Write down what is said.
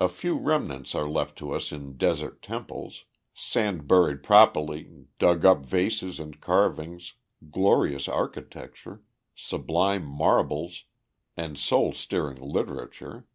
A few remnants are left to us in desert temples, sand buried propylæ, dug up vases and carvings, glorious architecture, sublime marbles, and soul stirring literature.